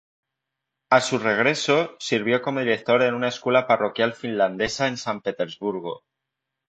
A su regreso, sirvió como director en una escuela parroquial finlandesa en San Petersburgo.